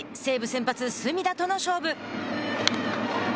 先発、隅田との勝負。